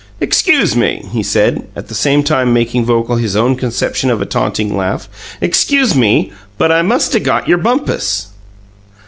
"Excuse me," he said, at the same time making vocal his own conception of a taunting laugh. "Excuse me, but I must 'a' got your bumpus!"